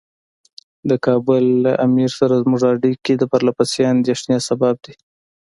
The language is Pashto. د کابل له امیر سره زموږ اړیکې د پرله پسې اندېښنې سبب دي.